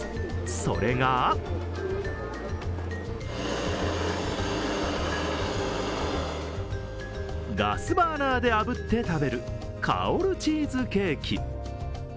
それがガスバーナーであぶって食べる香るチーズケーキ。